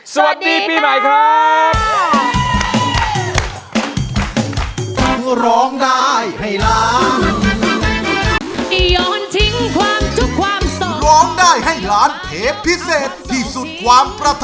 สวัสดีปีใหม่ครับ